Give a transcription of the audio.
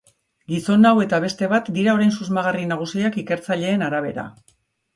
Gizon hau eta beste bat dira orain susmagarri nagusiak ikertzaileen arabera.